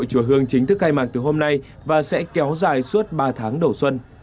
chùa hương chính thức khai mạc từ hôm nay và sẽ kéo dài suốt ba tháng đầu xuân